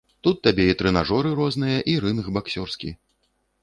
Тут табе і трэнажоры розныя, і рынг баксёрскі.